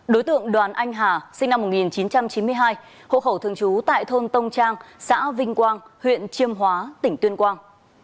đối tượng đoàn anh hà sinh năm một nghìn chín trăm chín mươi hai hộ khẩu thường trú tại thôn tông trang xã vinh quang huyện chiêm hóa tỉnh tuyên quang